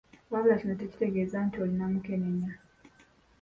Wabula kino tekitegeeza nti olina mukenenya.